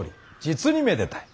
実にめでたい。